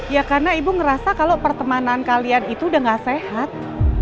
ya karena ibu ngerasa kalau pertemanan kalian itu udah gak sehat